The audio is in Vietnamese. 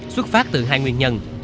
xuất phát từ hai nguyên nhân